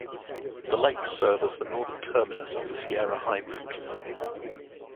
The lakes serve as the northern terminus of the Sierra High Route.